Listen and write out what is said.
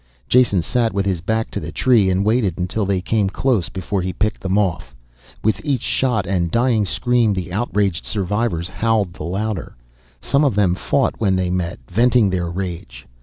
Jason sat with his back to the tree and waited until they came close before he picked them off. With each shot and dying scream the outraged survivors howled the louder. Some of them fought when they met, venting their rage.